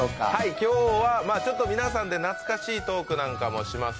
今日は皆さんで懐かしいトークをします。